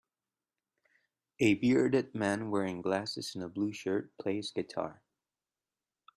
A bearded man wearing glasses and a blue shirt plays guitar.